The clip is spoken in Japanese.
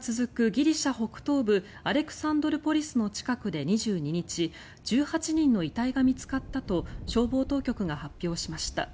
ギリシャ北東部アレクサンドルポリスの近くで２２日１８人の遺体が見つかったと消防当局が発表しました。